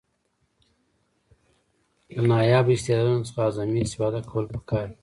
له نایابه استعدادونو څخه اعظمي استفاده کول پکار دي.